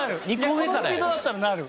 このスピードだったらなる。